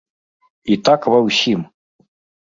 І так ва ўсім!